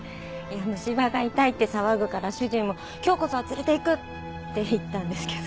虫歯が痛いって騒ぐから主人も「今日こそは連れて行く」って行ったんですけど。